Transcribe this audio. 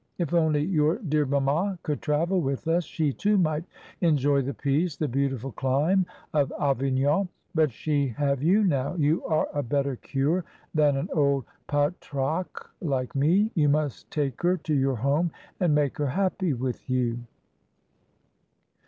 If only your dear mamma could travel with us she too might enjoy the peace, the beautiful clime of Avignon. But she have you now; you are a better cure than an old pair ague like me; you must take her to your home, and make her happy with you."